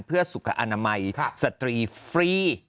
เพื่อสุขอนามัยสตรีฟรี